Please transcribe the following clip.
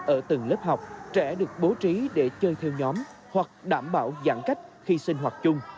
ở từng lớp học trẻ được bố trí để chơi theo nhóm hoặc đảm bảo giãn cách khi sinh hoạt chung